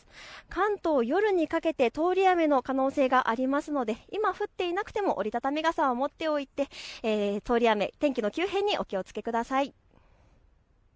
関東夜にかけて通り雨の可能性がありますので今、降っていなくても折り畳み傘を持っておいて通り雨、天気の急変にお気をつけください。